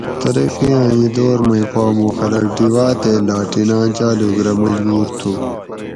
ترقی آۤں اِیں دور مئی پا مُوں خلق ڈِیواۤ تے لاٹیناۤں جالوگ رہ مجبور تُھو